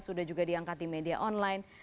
sudah juga diangkat di media online